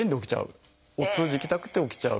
お通じ行きたくて起きちゃう。